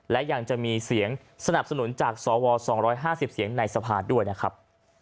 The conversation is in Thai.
และยังจะมีเสียงสนับสนุนจากสว๒๕๐เสียงในสภาด้วยนะครับ